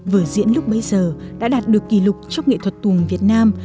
vở diễn lúc bây giờ đã đạt được kỷ lục trong nghệ thuật tuồng việt nam